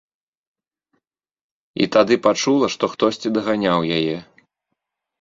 І тады пачула, што хтосьці даганяў яе.